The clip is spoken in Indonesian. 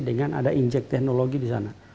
dengan ada injek teknologi di sana